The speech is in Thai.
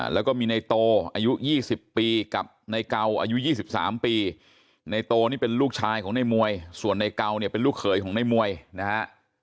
แล้วก็มีในโตอายุ๒๐ปีกับในเก่าอายุ๒๓ปีในโตนี่เป็นลูกชายของในมวยส่วนในเก่าเนี่ยเป็นลูกเขยของในมวยนะฮะ